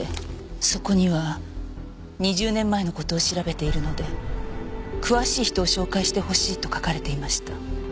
そこには２０年前の事を調べているので詳しい人を紹介してほしいと書かれていました。